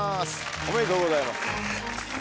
おめでとうございます。